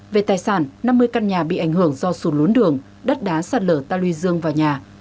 về tài sản năm mươi căn nhà bị ảnh hưởng do sụn lốn đường đất đá sạt lở ta lui dương vào nhà